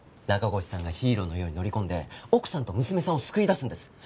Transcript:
中越さんがヒーローのように乗り込んで奥さんと娘さんを救い出すんです。